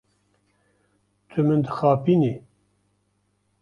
Tu min dixapînî.